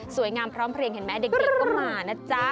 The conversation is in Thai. สวยงามพร้อมเพลงเด็กก็มานะจ๊ะ